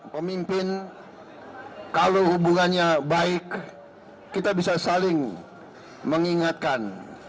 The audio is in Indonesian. pemimpin kalau hubungannya baik kita bisa saling mengingatkan